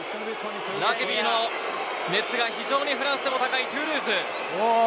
ラグビーの熱が非常にフランスでも高いトゥールーズ。